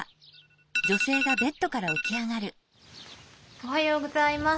おはようございます。